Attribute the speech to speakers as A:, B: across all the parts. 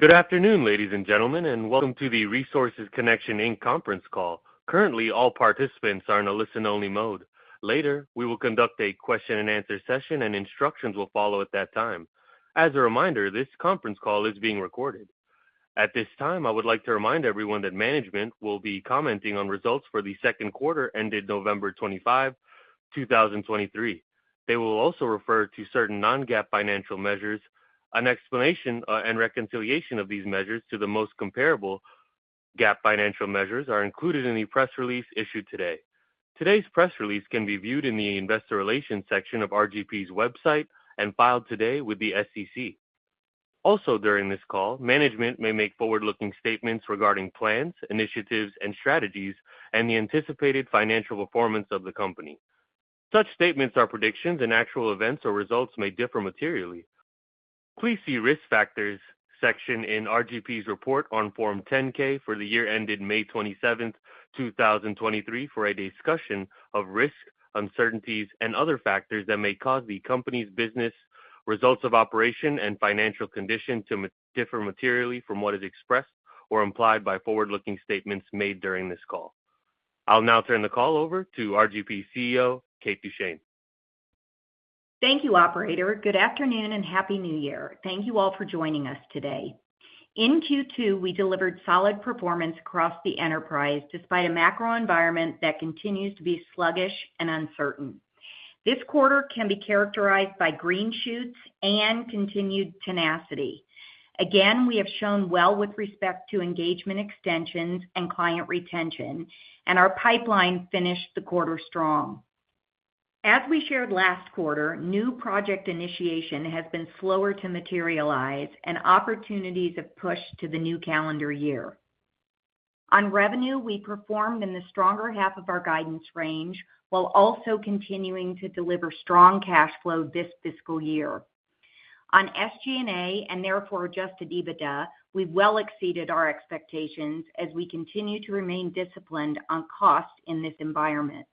A: Good afternoon, ladies and gentlemen, and welcome to the Resources Connection Inc. conference call. Currently, all participants are in a listen-only mode. Later, we will conduct a question-and-answer session, and instructions will follow at that time. As a reminder, this conference call is being recorded. At this time, I would like to remind everyone that management will be commenting on results for the second quarter ended November 25th, 2023. They will also refer to certain non-GAAP financial measures. An explanation and reconciliation of these measures to the most comparable GAAP financial measures are included in the press release issued today. Today's press release can be viewed in the Investor Relations section of RGP's website and filed today with the SEC. Also, during this call, management may make forward-looking statements regarding plans, initiatives, and strategies and the anticipated financial performance of the company. Such statements are predictions, and actual events or results may differ materially. Please see Risk Factors section in RGP's report on Form 10-K for the year ended May 27th, 2023, for a discussion of risks, uncertainties, and other factors that may cause the company's business, results of operation, and financial condition to differ materially from what is expressed or implied by forward-looking statements made during this call. I'll now turn the call over to RGP CEO, Kate Duchene.
B: Thank you, operator. Good afternoon, and Happy New Year. Thank you all for joining us today. In Q2, we delivered solid performance across the enterprise, despite a macro environment that continues to be sluggish and uncertain. This quarter can be characterized by green shoots and continued tenacity. Again, we have shown well with respect to engagement extensions and client retention, and our pipeline finished the quarter strong. As we shared last quarter, new project initiation has been slower to materialize and opportunities have pushed to the new calendar year. On revenue, we performed in the stronger half of our guidance range, while also continuing to deliver strong cash flow this fiscal year. On SG&A, and therefore adjusted EBITDA, we well exceeded our expectations as we continue to remain disciplined on cost in this environment.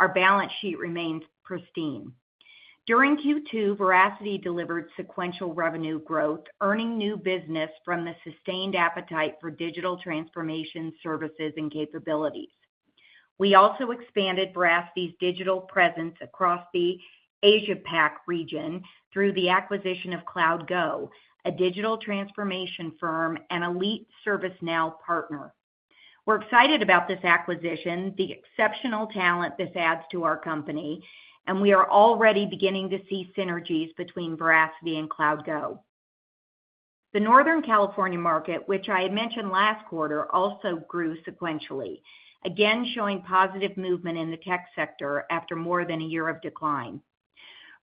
B: Our balance sheet remains pristine. During Q2, Veracity delivered sequential revenue growth, earning new business from the sustained appetite for digital transformation services and capabilities. We also expanded Veracity's digital presence across the Asia Pac region through the acquisition of CloudGo, a digital transformation firm and elite ServiceNow partner. We're excited about this acquisition, the exceptional talent this adds to our company, and we are already beginning to see synergies between Veracity and CloudGo. The Northern California market, which I had mentioned last quarter, also grew sequentially, again, showing positive movement in the tech sector after more than a year of decline.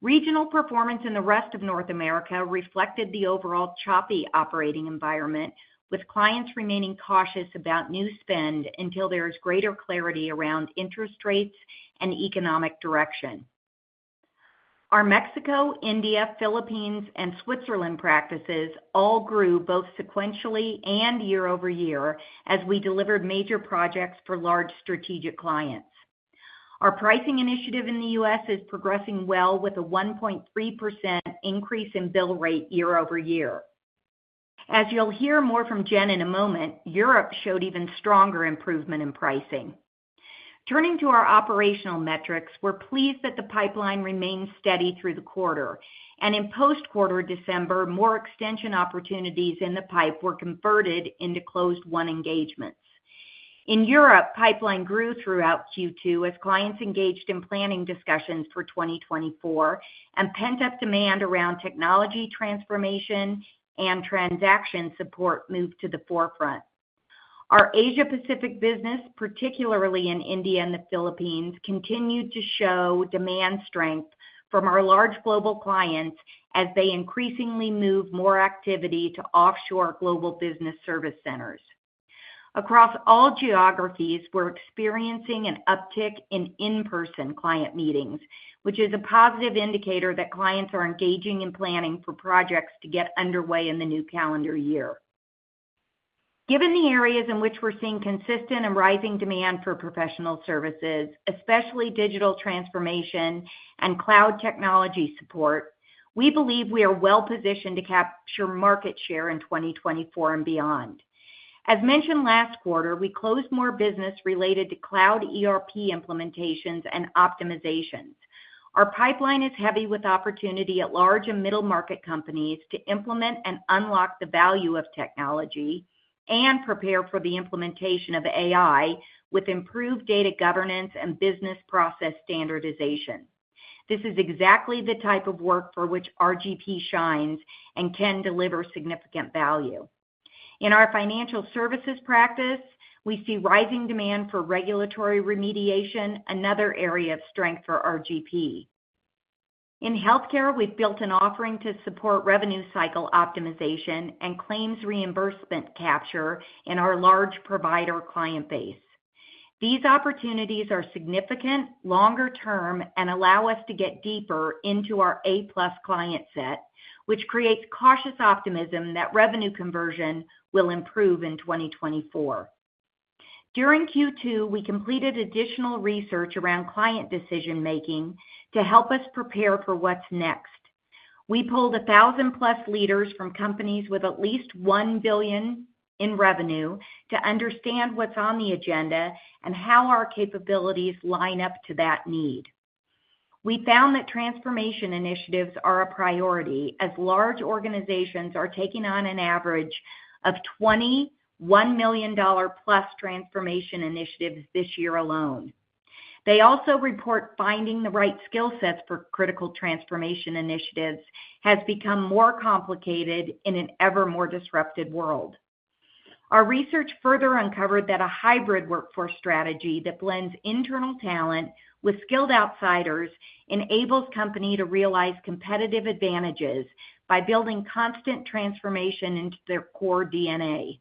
B: Regional performance in the rest of North America reflected the overall choppy operating environment, with clients remaining cautious about new spend until there is greater clarity around interest rates and economic direction. Our Mexico, India, Philippines, and Switzerland practices all grew both sequentially and year-over-year as we delivered major projects for large strategic clients. Our pricing initiative in the U.S. is progressing well, with a 1.3% increase in bill rate year-over-year. As you'll hear more from Jen in a moment, Europe showed even stronger improvement in pricing. Turning to our operational metrics, we're pleased that the pipeline remained steady through the quarter, and in post-quarter December, more extension opportunities in the pipe were converted into closed-won engagements. In Europe, pipeline grew throughout Q2 as clients engaged in planning discussions for 2024, and pent-up demand around technology transformation and transaction support moved to the forefront. Our Asia Pacific business, particularly in India and the Philippines, continued to show demand strength from our large global clients as they increasingly move more activity to offshore global business service centers. Across all geographies, we're experiencing an uptick in in-person client meetings, which is a positive indicator that clients are engaging in planning for projects to get underway in the new calendar year. Given the areas in which we're seeing consistent and rising demand for professional services, especially digital transformation and cloud technology support, we believe we are well-positioned to capture market share in 2024 and beyond. As mentioned last quarter, we closed more business related to Cloud ERP implementations and optimizations. Our pipeline is heavy with opportunity at large and middle-market companies to implement and unlock the value of technology and prepare for the implementation of AI with improved data governance and business process standardization. This is exactly the type of work for which RGP shines and can deliver significant value. In our financial services practice, we see rising demand for regulatory remediation, another area of strength for RGP. In healthcare, we've built an offering to support revenue cycle optimization and claims reimbursement capture in our large provider client base. These opportunities are significant, longer-term, and allow us to get deeper into our A-plus client set, which creates cautious optimism that revenue conversion will improve in 2024. During Q2, we completed additional research around client decision-making to help us prepare for what's next. We polled 1,000-plus leaders from companies with at least $1 billion in revenue to understand what's on the agenda and how our capabilities line up to that need. We found that transformation initiatives are a priority, as large organizations are taking on an average of $21+ million transformation initiatives this year alone. They also report finding the right skill sets for critical transformation initiatives has become more complicated in an ever more disrupted world. Our research further uncovered that a hybrid workforce strategy that blends internal talent with skilled outsiders enables companies to realize competitive advantages by building constant transformation into their core DNA.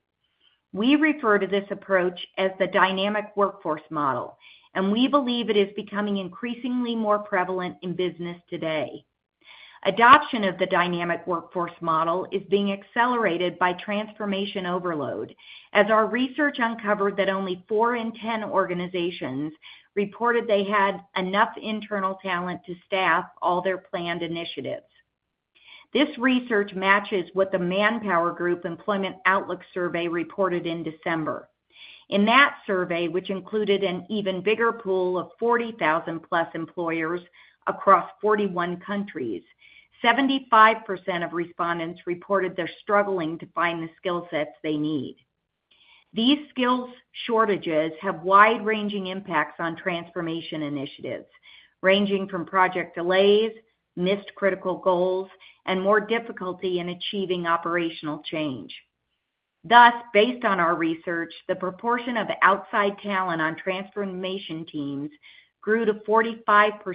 B: We refer to this approach as the Dynamic Workforce Model, and we believe it is becoming increasingly more prevalent in business today. Adoption of the Dynamic Workforce Model is being accelerated by transformation overload, as our research uncovered that only four in 10 organizations reported they had enough internal talent to staff all their planned initiatives. This research matches what the ManpowerGroup Employment Outlook Survey reported in December. In that survey, which included an even bigger pool of 40,000+ employers across 41 countries, 75% of respondents reported they're struggling to find the skill sets they need. These skills shortages have wide-ranging impacts on transformation initiatives, ranging from project delays, missed critical goals, and more difficulty in achieving operational change. Thus, based on our research, the proportion of outside talent on transformation teams grew to 45%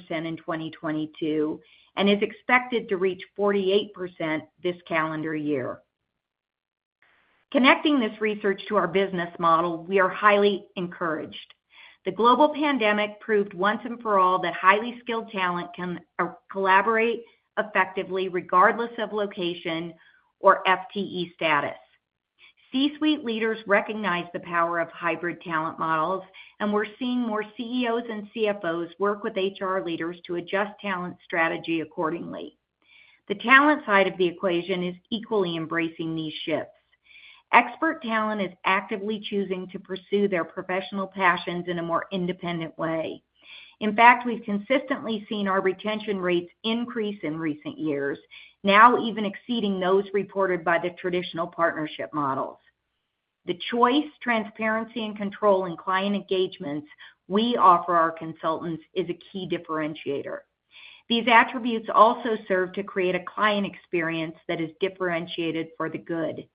B: in 2022, and is expected to reach 48% this calendar year. Connecting this research to our business model, we are highly encouraged. The global pandemic proved once and for all that highly skilled talent can collaborate effectively, regardless of location or FTE status. C-suite leaders recognize the power of hybrid talent models, and we're seeing more CEOs and CFOs work with HR leaders to adjust talent strategy accordingly. The talent side of the equation is equally embracing these shifts. Expert talent is actively choosing to pursue their professional passions in a more independent way. In fact, we've consistently seen our retention rates increase in recent years, now even exceeding those reported by the traditional partnership models. The choice, transparency, and control in client engagements we offer our consultants is a key differentiator. These attributes also serve to create a client experience that is differentiated for the good.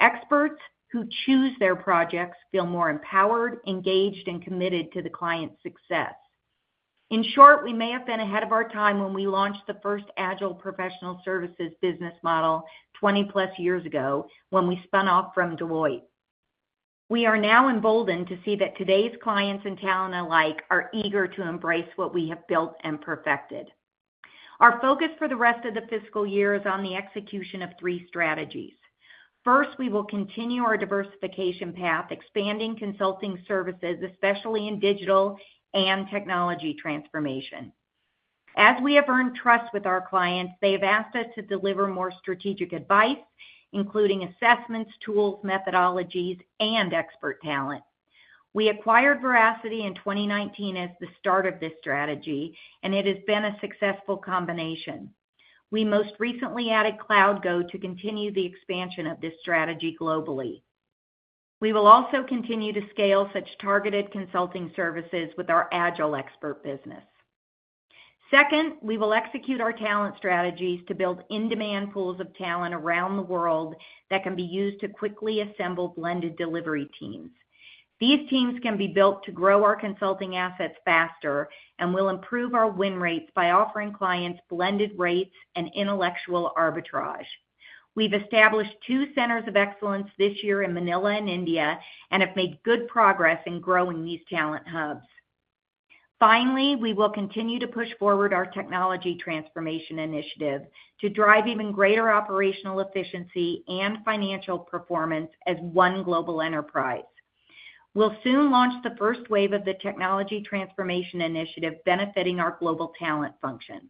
B: Experts who choose their projects feel more empowered, engaged, and committed to the client's success. In short, we may have been ahead of our time when we launched the first Agile Professional Services business model 20+ years ago, when we spun off from Deloitte. We are now emboldened to see that today's clients and talent alike are eager to embrace what we have built and perfected. Our focus for the rest of the fiscal year is on the execution of three strategies. First, we will continue our diversification path, expanding consulting services, especially in digital and technology transformation. As we have earned trust with our clients, they've asked us to deliver more strategic advice, including assessments, tools, methodologies, and expert talent. We acquired Veracity in 2019 as the start of this strategy, and it has been a successful combination. We most recently added CloudGo to continue the expansion of this strategy globally. We will also continue to scale such targeted consulting services with our Agile expert business. Second, we will execute our talent strategies to build in-demand pools of talent around the world that can be used to quickly assemble blended delivery teams. These teams can be built to grow our consulting assets faster and will improve our win rates by offering clients blended rates and intellectual arbitrage. We've established two centers of excellence this year in Manila and India, and have made good progress in growing these talent hubs. Finally, we will continue to push forward our technology transformation initiative to drive even greater operational efficiency and financial performance as one global enterprise. We'll soon launch the first wave of the technology transformation initiative, benefiting our global talent function.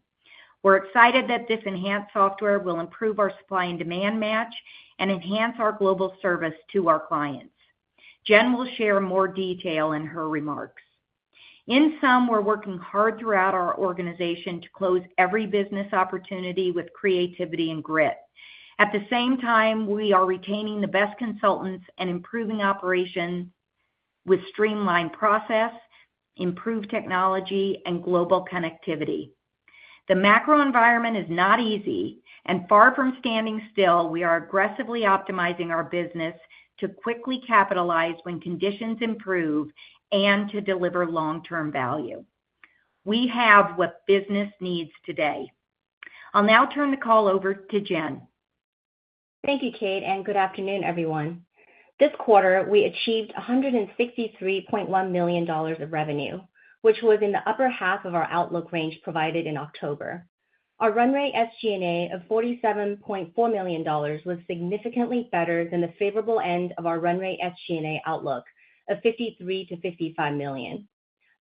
B: We're excited that this enhanced software will improve our supply and demand match and enhance our global service to our clients. Jen will share more detail in her remarks. In sum, we're working hard throughout our organization to close every business opportunity with creativity and grit. At the same time, we are retaining the best consultants and improving operations with streamlined processes, improved technology, and global connectivity. The macro environment is not easy, and far from standing still, we are aggressively optimizing our business to quickly capitalize when conditions improve and to deliver long-term value. We have what business needs today. I'll now turn the call over to Jen.
C: Thank you, Kate, and good afternoon, everyone. This quarter, we achieved $163.1 million of revenue, which was in the upper half of our outlook range provided in October. Our run rate SG&A of $47.4 million was significantly better than the favorable end of our run rate SG&A outlook of $53 million-$55 million.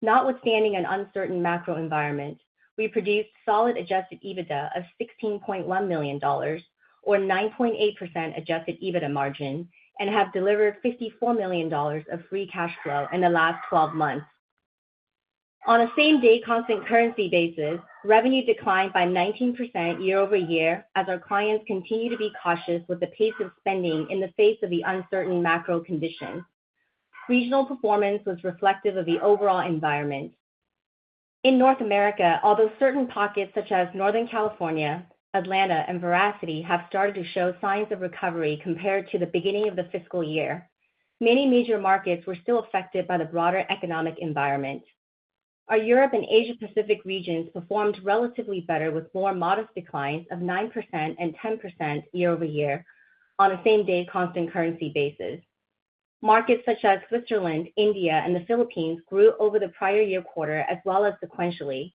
C: Notwithstanding an uncertain macro environment, we produced solid adjusted EBITDA of $16.1 million or 9.8% adjusted EBITDA margin, and have delivered $54 million of free cash flow in the last twelve months. On a same-day constant currency basis, revenue declined by 19% year-over-year, as our clients continue to be cautious with the pace of spending in the face of the uncertain macro conditions. Regional performance was reflective of the overall environment. In North America, although certain pockets such as Northern California, Atlanta, and Veracity have started to show signs of recovery compared to the beginning of the fiscal year, many major markets were still affected by the broader economic environment. Our Europe and Asia Pacific regions performed relatively better, with more modest declines of 9% and 10% year-over-year on a same-day constant currency basis. Markets such as Switzerland, India, and the Philippines grew over the prior year quarter as well as sequentially,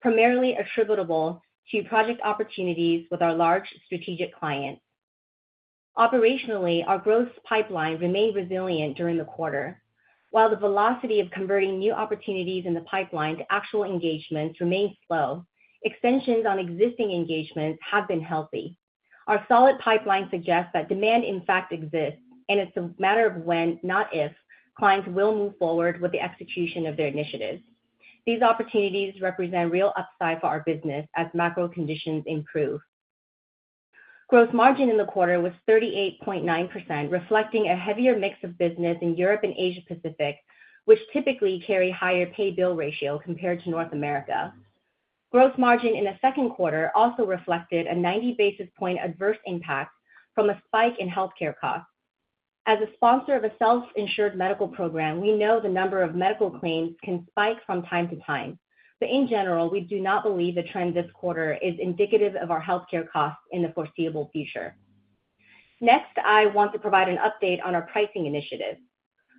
C: primarily attributable to project opportunities with our large strategic clients. Operationally, our growth pipeline remained resilient during the quarter. While the velocity of converting new opportunities in the pipeline to actual engagements remains slow, extensions on existing engagements have been healthy. Our solid pipeline suggests that demand in fact exists, and it's a matter of when, not if, clients will move forward with the execution of their initiatives. These opportunities represent real upside for our business as macro conditions improve. Gross margin in the quarter was 38.9%, reflecting a heavier mix of business in Europe and Asia Pacific, which typically carry higher pay-bill ratio compared to North America. Gross margin in the second quarter also reflected a 90 basis point adverse impact from a spike in healthcare costs. As a sponsor of a self-insured medical program, we know the number of medical claims can spike from time to time, but in general, we do not believe the trend this quarter is indicative of our healthcare costs in the foreseeable future. Next, I want to provide an update on our pricing initiatives.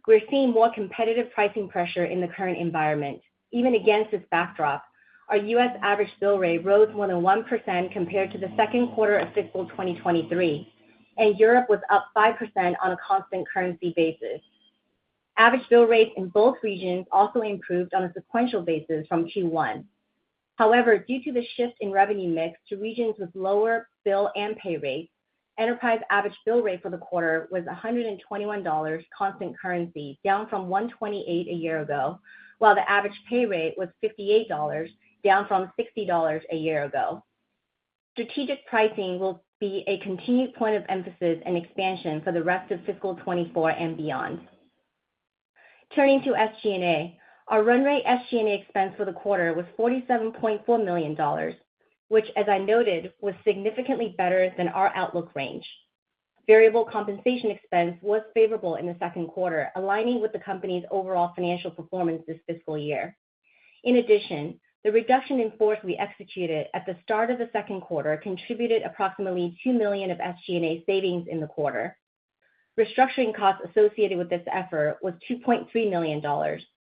C: We're seeing more competitive pricing pressure in the current environment. Even against this backdrop, our U.S. average bill rate rose more than 1% compared to the second quarter of fiscal 2023, and Europe was up 5% on a constant currency basis. Average bill rates in both regions also improved on a sequential basis from Q1. However, due to the shift in revenue mix to regions with lower bill and pay rates, enterprise average bill rate for the quarter was $121 constant currency, down from $128 a year ago, while the average pay rate was $58, down from $60 a year ago. Strategic pricing will be a continued point of emphasis and expansion for the rest of fiscal 2024 and beyond. Turning to SG&A, our run rate SG&A expense for the quarter was $47.4 million, which, as I noted, was significantly better than our outlook range. Variable compensation expense was favorable in the second quarter, aligning with the company's overall financial performance this fiscal year. In addition, the reduction in force we executed at the start of the second quarter contributed approximately $2 million of SG&A savings in the quarter. Restructuring costs associated with this effort was $2.3 million,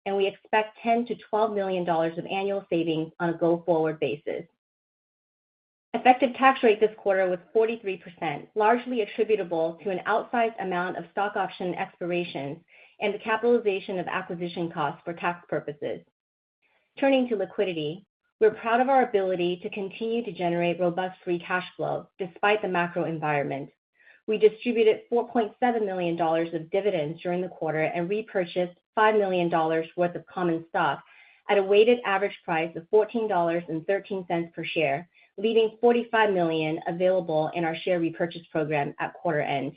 C: and we expect $10 million-$12 million of annual savings on a go-forward basis. Effective tax rate this quarter was 43%, largely attributable to an outsized amount of stock option expiration and the capitalization of acquisition costs for tax purposes. Turning to liquidity, we're proud of our ability to continue to generate robust free cash flow despite the macro environment. We distributed $4.7 million of dividends during the quarter and repurchased $5 million worth of common stock at a weighted average price of $14.13 per share, leaving $45 million available in our share repurchase program at quarter end.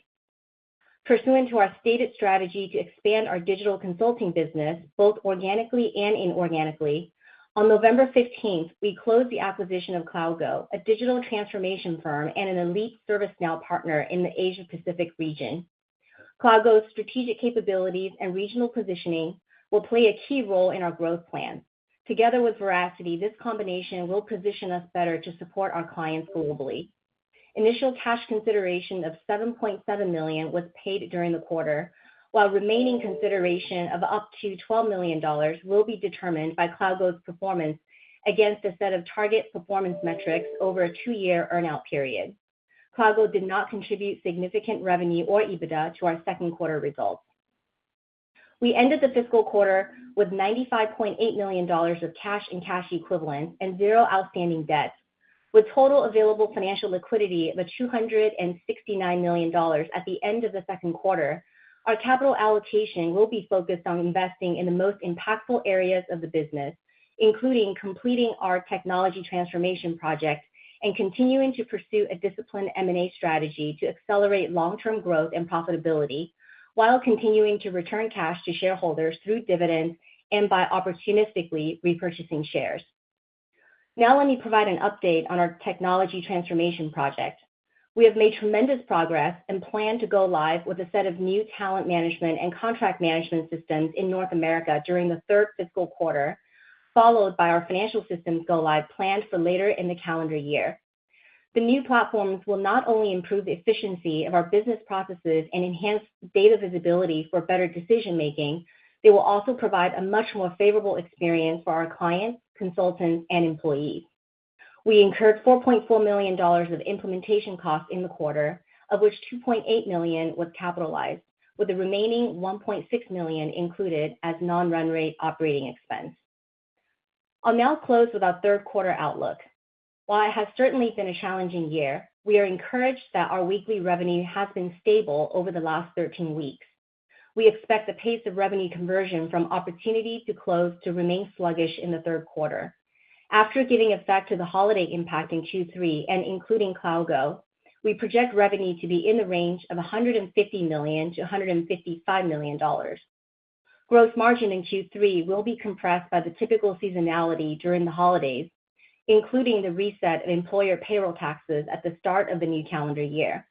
C: Pursuant to our stated strategy to expand our digital consulting business, both organically and inorganically, on November 15th, we closed the acquisition of CloudGo, a digital transformation firm and an elite ServiceNow partner in the Asia Pacific region. CloudGo's strategic capabilities and regional positioning will play a key role in our growth plans. Together with Veracity, this combination will position us better to support our clients globally. Initial cash consideration of $7.7 million was paid during the quarter, while remaining consideration of up to $12 million will be determined by CloudGo's performance against a set of target performance metrics over a two year earn-out period. CloudGo did not contribute significant revenue or EBITDA to our second quarter results. We ended the fiscal quarter with $95.8 million of cash and cash equivalents and 0 outstanding debt. With total available financial liquidity of $269 million at the end of the second quarter, our capital allocation will be focused on investing in the most impactful areas of the business, including completing our technology transformation projects and continuing to pursue a disciplined M&A strategy to accelerate long-term growth and profitability while continuing to return cash to shareholders through dividends and by opportunistically repurchasing shares. Now, let me provide an update on our technology transformation project. We have made tremendous progress and plan to go live with a set of new talent management and contract management systems in North America during the third fiscal quarter, followed by our financial systems go live planned for later in the calendar year. The new platforms will not only improve the efficiency of our business processes and enhance data visibility for better decision-making, they will also provide a much more favorable experience for our clients, consultants, and employees. We incurred $4.4 million of implementation costs in the quarter, of which $2.8 million was capitalized, with the remaining $1.6 million included as non-run rate operating expense. I'll now close with our third quarter outlook. While it has certainly been a challenging year, we are encouraged that our weekly revenue has been stable over the last 13 weeks. We expect the pace of revenue conversion from opportunity to close to remain sluggish in the third quarter. After giving effect to the holiday impact in Q3 and including CloudGo, we project revenue to be in the range of $150 million-$155 million. Gross margin in Q3 will be compressed by the typical seasonality during the holidays, including the reset in employer payroll taxes at the start of the new calendar year,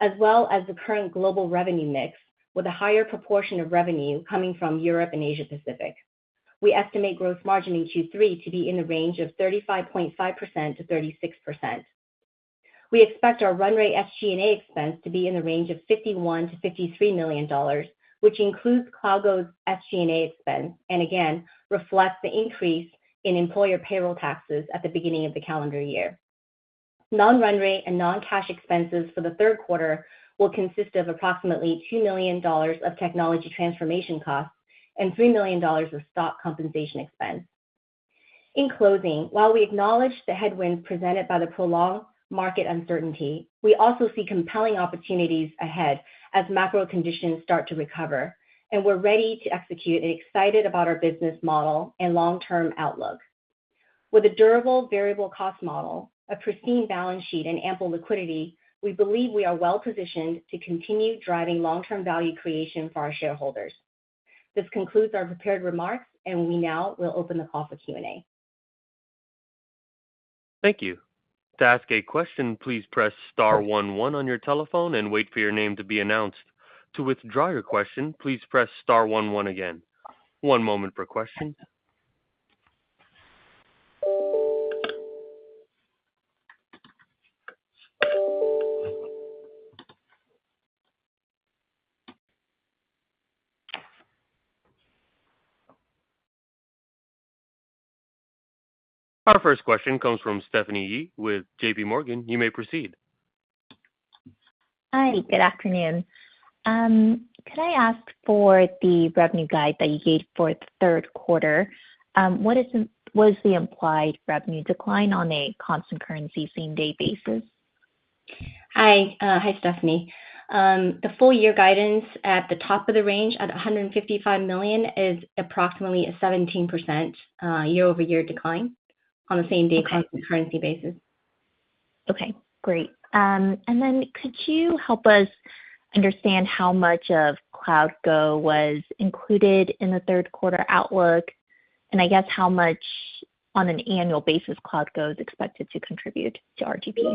C: as well as the current global revenue mix, with a higher proportion of revenue coming from Europe and Asia Pacific. We estimate gross margin in Q3 to be in the range of 35.5%-36%. We expect our run rate SG&A expense to be in the range of $51 million-$53 million, which includes CloudGo's SG&A expense, and again, reflects the increase in employer payroll taxes at the beginning of the calendar year. Non-run rate and non-cash expenses for the third quarter will consist of approximately $2 million of technology transformation costs and $3 million of stock compensation expense. In closing, while we acknowledge the headwinds presented by the prolonged market uncertainty, we also see compelling opportunities ahead as macro conditions start to recover, and we're ready to execute and excited about our business model and long-term outlook. With a durable variable cost model, a pristine balance sheet, and ample liquidity, we believe we are well positioned to continue driving long-term value creation for our shareholders. This concludes our prepared remarks, and we now will open the call for Q&A.
A: Thank you. To ask a question, please press star one one on your telephone and wait for your name to be announced. To withdraw your question, please press star one one again. One moment for questions. Our first question comes from Stephanie Yee with J.P. Morgan. You may proceed.
D: Hi, good afternoon. Could I ask for the revenue guide that you gave for the third quarter? What is the- what is the implied revenue decline on a constant currency, same-day basis?
C: Hi, hi, Stephanie. The full year guidance at the top of the range, at $155 million, is approximately a 17% year-over-year decline on the same day.
D: Okay.
C: Constant currency basis.
D: Okay, great. And then could you help us understand how much of CloudGo was included in the third quarter outlook? And I guess how much on an annual basis CloudGo is expected to contribute to RGP?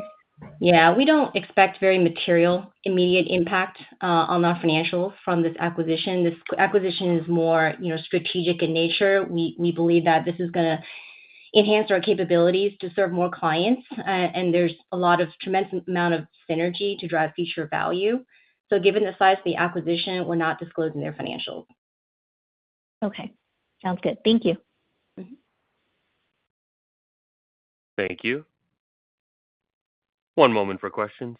C: Yeah. We don't expect very material immediate impact on our financials from this acquisition. This acquisition is more, you know, strategic in nature. We believe that this is gonna enhance our capabilities to serve more clients, and there's a lot of tremendous amount of synergy to drive future value. So given the size of the acquisition, we're not disclosing their financials.
D: Okay, sounds good. Thank you.
C: Mm-hmm.
A: Thank you. One moment for questions.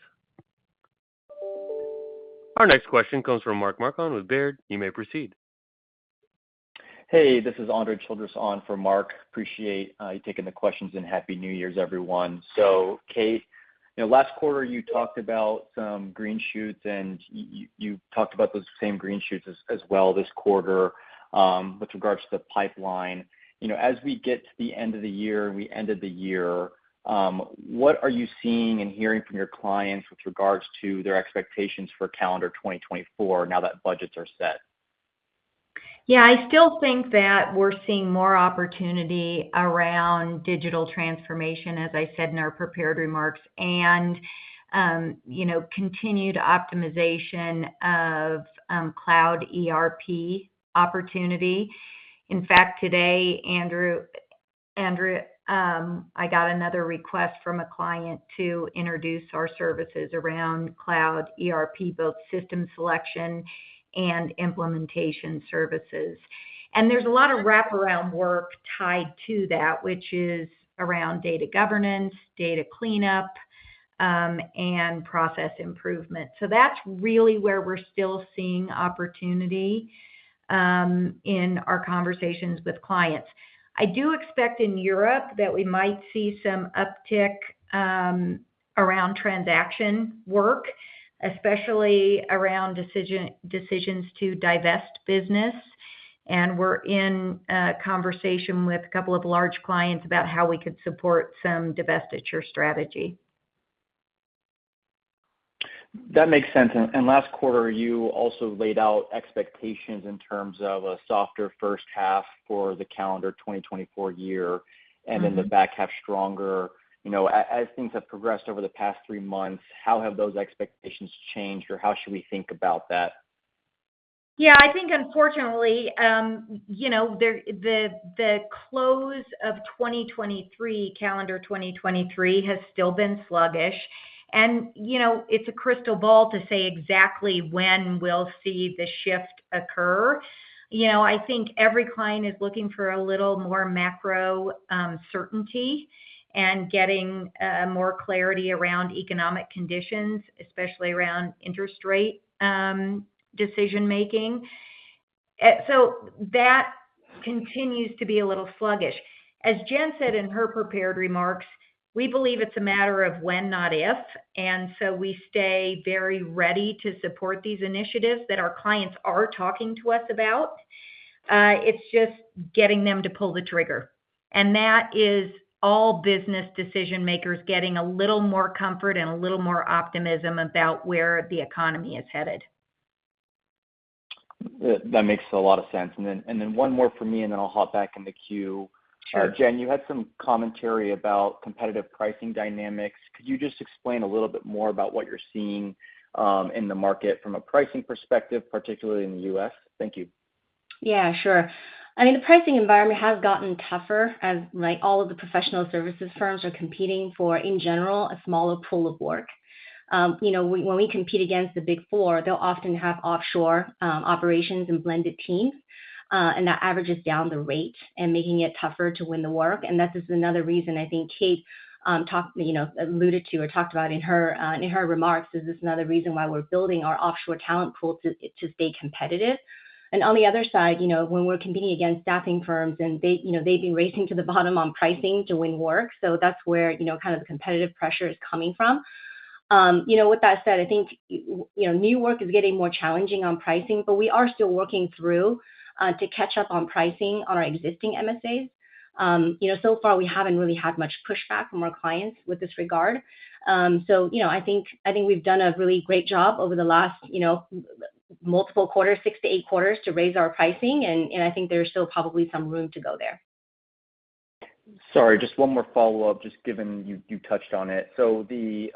A: Our next question comes from Mark Marcon with Baird. You may proceed.
E: Hey, this is Andre Childress on for Mark. Appreciate you taking the questions and Happy New Year's, everyone. So Kate, you know, last quarter you talked about some green shoots, and you talked about those same green shoots as well this quarter, with regards to the pipeline. You know, as we get to the end of the year, what are you seeing and hearing from your clients with regards to their expectations for calendar 2024 now that budgets are set?
B: Yeah, I still think that we're seeing more opportunity around digital transformation, as I said in our prepared remarks, and, you know, continued optimization of Cloud ERP opportunity. In fact, today, Andre, Andre, I got another request from a client to introduce our services around Cloud ERP, both system selection and implementation services. And there's a lot of wraparound work tied to that, which is around data governance, data cleanup, and process improvement. So that's really where we're still seeing opportunity in our conversations with clients. I do expect in Europe that we might see some uptick around transaction work, especially around decisions to divest business, and we're in a conversation with a couple of large clients about how we could support some divestiture strategy.
E: That makes sense. Last quarter, you also laid out expectations in terms of a softer first half for the calendar 2024 year-
B: Mm-hmm.
E: Then the back half stronger. You know, as things have progressed over the past three months, how have those expectations changed, or how should we think about that?
B: Yeah, I think unfortunately, you know, the close of 2023, calendar 2023, has still been sluggish. And, you know, it's a crystal ball to say exactly when we'll see the shift occur. You know, I think every client is looking for a little more macro certainty and getting more clarity around economic conditions, especially around interest rate decision-making. So that continues to be a little sluggish. As Jen said in her prepared remarks, we believe it's a matter of when, not if, and so we stay very ready to support these initiatives that our clients are talking to us about. It's just getting them to pull the trigger, and that is all business decision makers getting a little more comfort and a little more optimism about where the economy is headed.
E: That makes a lot of sense. Then one more for me, and then I'll hop back in the queue.
B: Sure.
E: Jen, you had some commentary about competitive pricing dynamics. Could you just explain a little bit more about what you're seeing, in the market from a pricing perspective, particularly in the U.S.? Thank you.
C: Yeah, sure. I mean, the pricing environment has gotten tougher as, like, all of the professional services firms are competing for, in general, a smaller pool of work. You know, when we compete against the Big Four, they'll often have offshore operations and blended teams, and that averages down the rate and making it tougher to win the work. And that's just another reason I think Kate talked, you know, alluded to or talked about in her remarks, is just another reason why we're building our offshore talent pool to stay competitive. And on the other side, you know, when we're competing against staffing firms, and they, you know, they've been racing to the bottom on pricing to win work. So that's where, you know, kind of the competitive pressure is coming from. You know, with that said, I think, you know, new work is getting more challenging on pricing, but we are still working through to catch up on pricing on our existing MSAs. You know, so far, we haven't really had much pushback from our clients with this regard. So, you know, I think, I think we've done a really great job over the last, you know, multiple quarters, 6-8 quarters, to raise our pricing, and, and I think there's still probably some room to go there.
E: Sorry, just one more follow-up, just given you, you touched on it. So the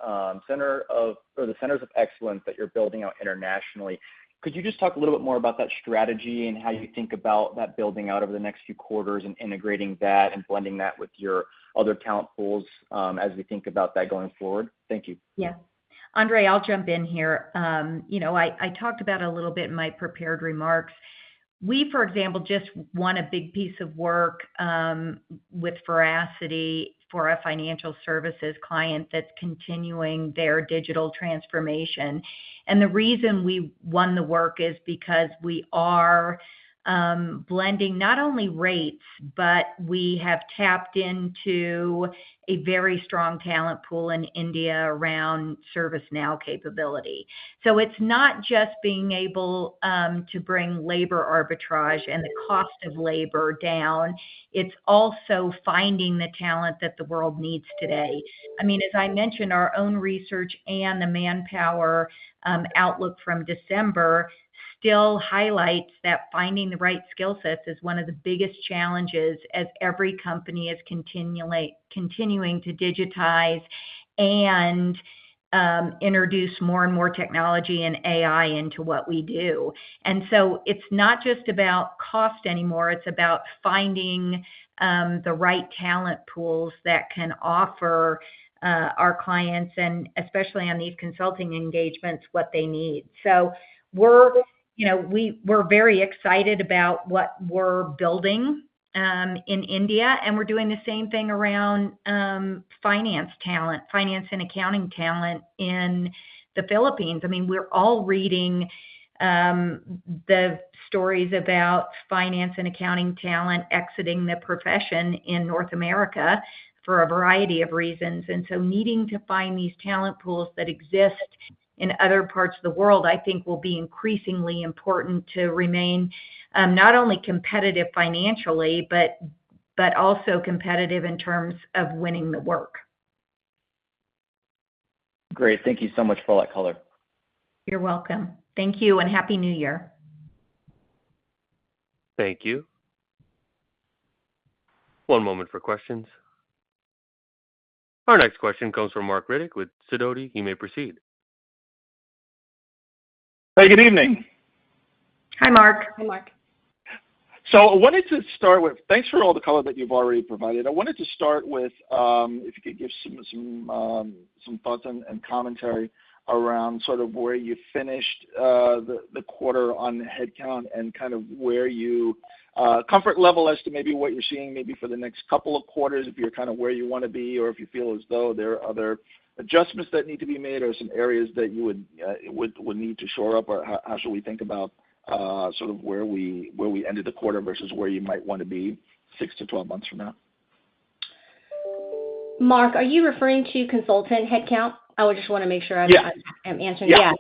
E: center of... or the centers of excellence that you're building out internationally, could you just talk a little bit more about that strategy and how you think about that building out over the next few quarters and integrating that and blending that with your other talent pools, as we think about that going forward? Thank you.
B: Yeah. Andre, I'll jump in here. You know, I talked about a little bit in my prepared remarks. We, for example, just won a big piece of work with Veracity for a financial services client that's continuing their digital transformation. And the reason we won the work is because we are blending not only rates, but we have tapped into a very strong talent pool in India around ServiceNow capability. So it's not just being able to bring labor arbitrage and the cost of labor down, it's also finding the talent that the world needs today. I mean, as I mentioned, our own research and the Manpower outlook from December still highlights that finding the right skill sets is one of the biggest challenges as every company is continuing to digitize and introduce more and more technology and AI into what we do. And so it's not just about cost anymore, it's about finding the right talent pools that can offer our clients, and especially on these consulting engagements, what they need. So we're, you know, we're very excited about what we're building in India, and we're doing the same thing around finance talent, finance and accounting talent in the Philippines. I mean, we're all reading the stories about finance and accounting talent exiting the profession in North America for a variety of reasons. Needing to find these talent pools that exist in other parts of the world, I think, will be increasingly important to remain not only competitive financially, but also competitive in terms of winning the work.
E: Great. Thank you so much for all that color.
B: You're welcome. Thank you, and Happy New Year.
A: Thank you. One moment for questions. Our next question comes from Mark Riddick with Sidoti. You may proceed.
F: Hey, good evening.
B: Hi, Mark.
C: Hi, Mark.
F: So I wanted to start with... Thanks for all the color that you've already provided. I wanted to start with, if you could give some thoughts and commentary around sort of where you finished the quarter on headcount and kind of where your comfort level as to maybe what you're seeing, maybe for the next couple of quarters, if you're kind of where you want to be, or if you feel as though there are other adjustments that need to be made or some areas that you would need to shore up, or how should we think about sort of where we ended the quarter versus where you might want to be 6-12 months from now?
C: Mark, are you referring to consultant headcount? I would just wanna make sure I'm-
F: Yeah.
C: I'm answering.
F: Yeah.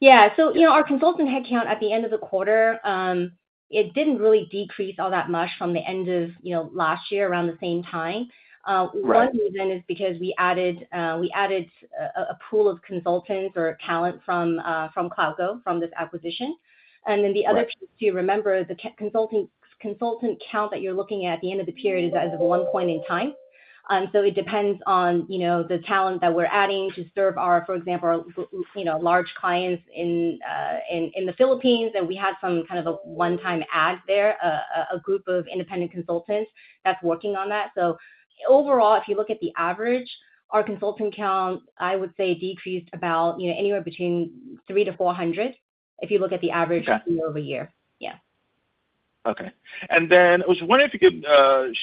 C: Yeah. So, you know, our consultant headcount at the end of the quarter, it didn't really decrease all that much from the end of, you know, last year, around the same time.
F: Right.
C: One reason is because we added a pool of consultants or talent from CloudGo, from this acquisition.
F: Right.
C: And then the other thing to remember, the consultant count that you're looking at, at the end of the period is as of one point in time. So it depends on, you know, the talent that we're adding to serve our, for example, our, you know, large clients in the Philippines. And we had some kind of a one-time add there, a group of independent consultants that's working on that. So overall, if you look at the average, our consultant count, I would say, decreased about, you know, anywhere between 300-400... if you look at the average-
F: Okay.
C: year-over-year. Yeah.
F: Okay. And then I was wondering if you could,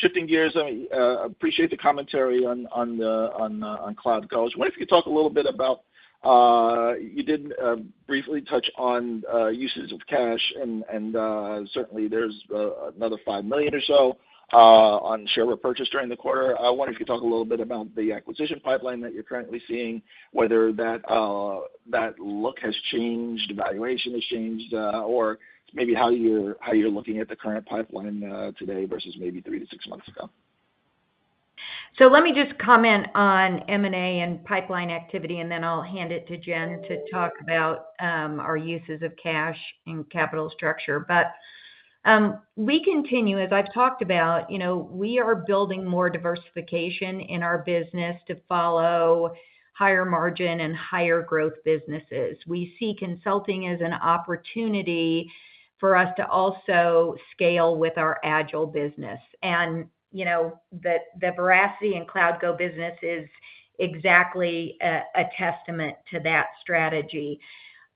F: shifting gears, I mean, appreciate the commentary on CloudGo. I wonder if you could talk a little bit about, you did briefly touch on uses of cash, and certainly there's another $5 million or so on share repurchase during the quarter. I wonder if you could talk a little bit about the acquisition pipeline that you're currently seeing, whether that look has changed, valuation has changed, or maybe how you're looking at the current pipeline today versus maybe 3-6 months ago.
B: So let me just comment on M&A and pipeline activity, and then I'll hand it to Jen to talk about our uses of cash and capital structure. But we continue, as I've talked about, you know, we are building more diversification in our business to follow higher margin and higher growth businesses. We see consulting as an opportunity for us to also scale with our agile business. And, you know, the Veracity and CloudGo business is exactly a testament to that strategy.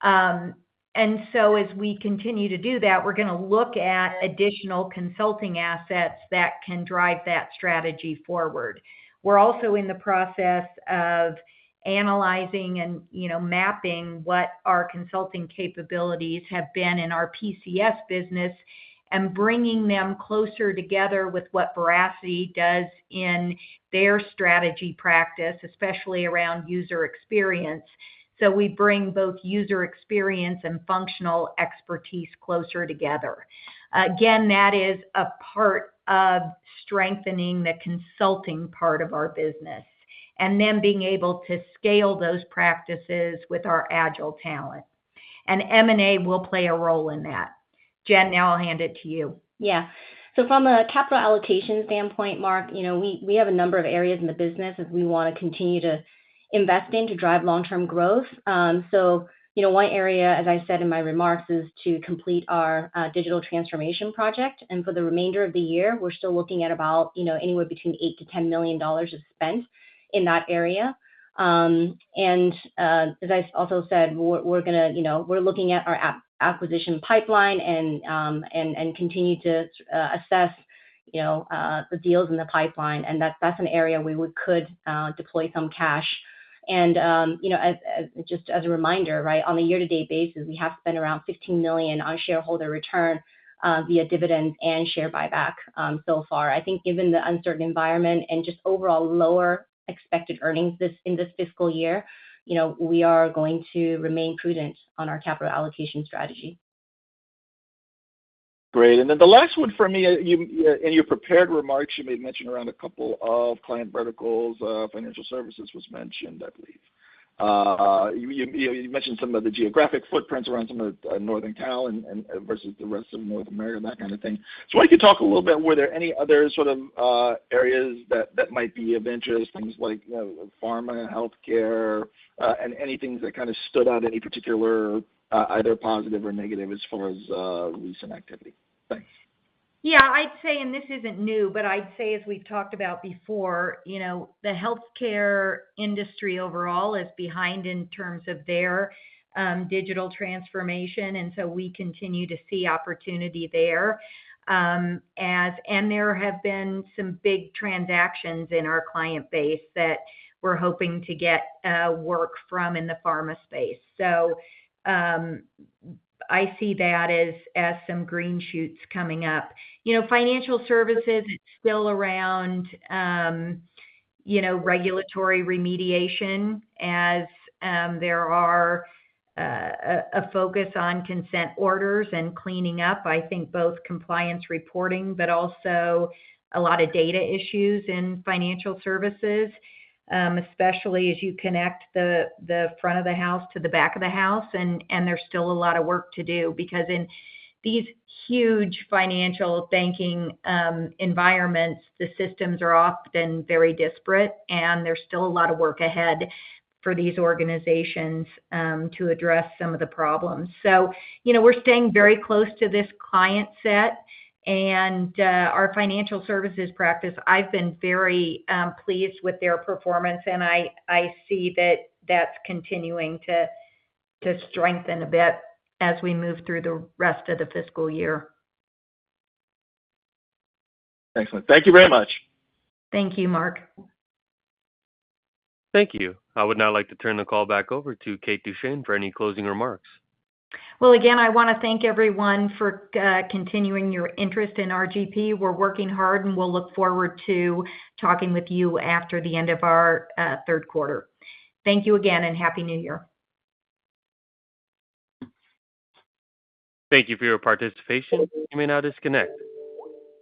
B: And so as we continue to do that, we're gonna look at additional consulting assets that can drive that strategy forward. We're also in the process of analyzing and, you know, mapping what our consulting capabilities have been in our PCS business and bringing them closer together with what Veracity does in their strategy practice, especially around user experience. We bring both user experience and functional expertise closer together. Again, that is a part of strengthening the consulting part of our business, and then being able to scale those practices with our agile talent. M&A will play a role in that. Jen, now I'll hand it to you.
C: Yeah. So from a capital allocation standpoint, Mark, you know, we have a number of areas in the business that we wanna continue to invest in to drive long-term growth. So, you know, one area, as I said in my remarks, is to complete our digital transformation project. And for the remainder of the year, we're still looking at about, you know, anywhere between $8 million-$10 million of spend in that area. And, as I also said, we're gonna, you know, we're looking at our acquisition pipeline and continue to assess, you know, the deals in the pipeline, and that's an area we would could deploy some cash. You know, as just as a reminder, right, on a year-to-date basis, we have spent around $15 million on shareholder return, via dividends and share buyback, so far. I think given the uncertain environment and just overall lower expected earnings this, in this fiscal year, you know, we are going to remain prudent on our capital allocation strategy.
F: Great. And then the last one for me, you in your prepared remarks, you made mention around a couple of client verticals, financial services was mentioned, I believe. You mentioned some of the geographic footprints around some of the Northern California and versus the rest of North America, that kind of thing. So I could talk a little bit, were there any other sort of areas that might be of interest, things like, you know, pharma, healthcare, and anything that kind of stood out, any particular, either positive or negative as far as recent activity? Thanks.
B: Yeah, I'd say, and this isn't new, but I'd say, as we've talked about before, you know, the healthcare industry overall is behind in terms of their digital transformation, and so we continue to see opportunity there. And there have been some big transactions in our client base that we're hoping to get work from in the pharma space. So, I see that as some green shoots coming up. You know, financial services, it's still around, you know, regulatory remediation as there are a focus on consent orders and cleaning up, I think both compliance reporting, but also a lot of data issues in financial services, especially as you connect the front of the house to the back of the house, and there's still a lot of work to do. Because in these huge financial banking environments, the systems are often very disparate, and there's still a lot of work ahead for these organizations to address some of the problems. So, you know, we're staying very close to this client set, and our financial services practice, I've been very pleased with their performance, and I see that that's continuing to strengthen a bit as we move through the rest of the fiscal year.
F: Excellent. Thank you very much.
B: Thank you, Mark.
A: Thank you. I would now like to turn the call back over to Kate Duchene for any closing remarks.
B: Well, again, I wanna thank everyone for continuing your interest in RGP. We're working hard, and we'll look forward to talking with you after the end of our third quarter. Thank you again, and Happy New Year.
A: Thank you for your participation. You may now disconnect.